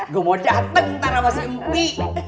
gue mau dateng ntar sama si mbi